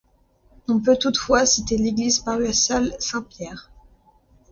On peut toutefois citer l'église paroissiale Saint-Pierre.